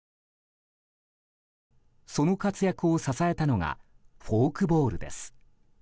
その活躍を支えたのがフォークボールです。